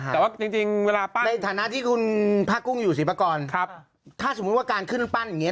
แต่ว่าจริงเวลาปั้นในฐานะที่คุณพระกุ้งอยู่สิบกรครับถ้าสมมุติว่าการขึ้นแล้วปั้นอย่างเงี้ย